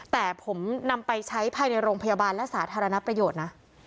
แต่ผมนำไปใช้ภายในโรงพยาบาลและสาธารณประโยชน์นะ